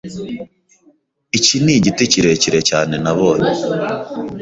Iki nigiti kirekire cyane nabonye.